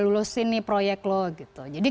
lulusin nih proyek lo gitu jadi